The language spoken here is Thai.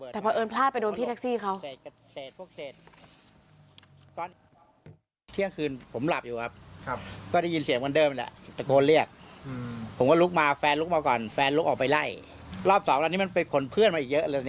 แต่พอเอิญพลาดไปโดนพี่แท็กซี่เขา